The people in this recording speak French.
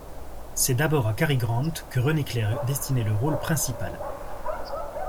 C'est d'abord à Cary Grant que René Clair destinait le rôle principal.